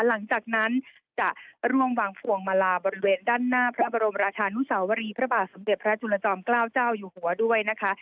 หลังจากนั้นจะร่วมวางพวงมาลาบริเวณด้านหน้าพระบรมราชานุสาวรีพระบาทสมเด็จพระจุลจอมเกล้าเจ้าอยู่หัวด้วยนะคะ